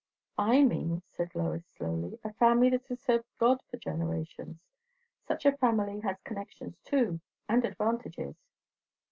"I mean," said Lois slowly, "a family that has served God for generations. Such a family has connections too, and advantages."